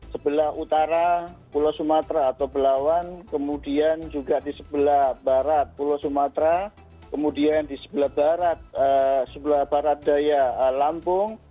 sebelah utara pulau sumatera atau belawan kemudian juga di sebelah barat pulau sumatera kemudian di sebelah barat daya lampung